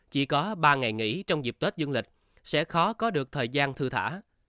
chỉ có ba ngày nghỉ trong dịp tết dương lịch sẽ khó có được thời gian thư thả